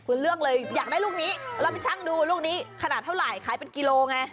คุณเลือกเลยอยากได้ลูกนี้แล้วไปชั่งดูลูกนี้ขนาดเท่าไหร่ขายเป็นกิโลไง